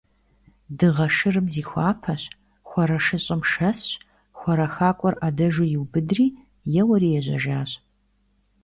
Дыгъэ Шырым зихуапэщ, хуарэ шыщӀэм шэсщ, хуарэ хакӀуэр Ӏэдэжу иубыдри, еуэри ежьащ.